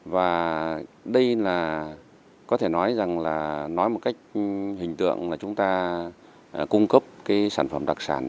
và đây là có thể nói rằng là nói một cách hình tượng là chúng ta cung cấp cái sản phẩm đặc sản